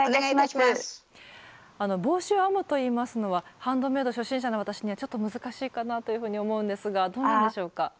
帽子を編むといいますのはハンドメイド初心者の私にはちょっと難しいかなというふうに思うんですがどうなんでしょうか？